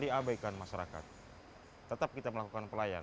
tidak diabaikan masyarakat tetap kita melakukan pelayanan